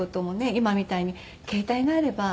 今みたいに携帯があれば。